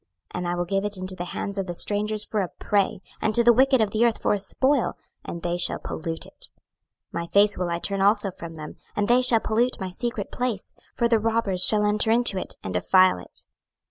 26:007:021 And I will give it into the hands of the strangers for a prey, and to the wicked of the earth for a spoil; and they shall pollute it. 26:007:022 My face will I turn also from them, and they shall pollute my secret place: for the robbers shall enter into it, and defile it.